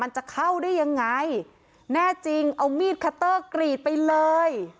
จะเข้าได้ยังไงแน่จริงเอามีดคัตเตอร์กรีดไปเลย